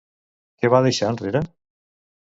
Què va deixar enrere?